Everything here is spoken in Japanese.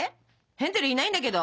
ヘンゼルいないんだけど？